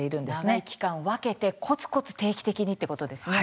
長い期間、分けてコツコツ定期的にってことですね。